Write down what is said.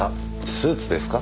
スーツですか？